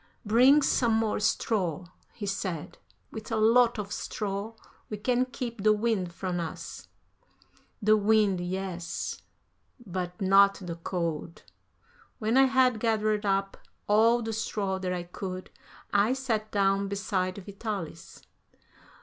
"Bring some more straw," he said; "with a lot of straw we can keep the wind from us." The wind, yes, but not the cold. When I had gathered up all the straw that I could, I sat down beside Vitalis.